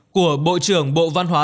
của bộ trưởng bộ văn hóa